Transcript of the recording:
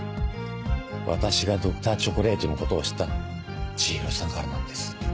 私がＤｒ．チョコレートのことを知ったのも千尋さんからなんです。